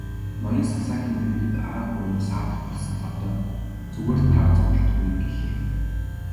Ноён Сасакийн дэргэд арга буюу саатах болсон Лодой "Зүгээр та зоволтгүй" гэлээ.